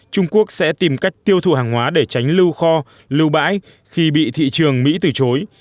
trung quốc sẽ tìm cách tiêu thụ hàng hóa để tránh lưu kho lưu bãi khi bị thị trường mỹ từ chối